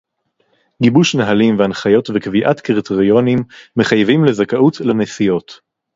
גיבוש נהלים והנחיות וקביעת קריטריונים מחייבים לזכאות לנסיעות